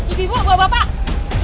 ibu bawa bapak